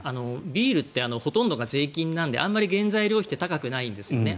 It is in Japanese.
ビールってほとんどが税金なのであまり原材料費が高くないんですよね。